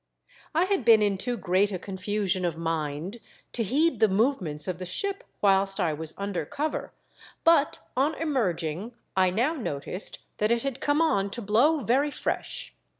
I HAD been in too great a confusion of mind to heed the movements of the ship whilst I was under cover, but on emerging I now noticed that it had come on to blow very fresh.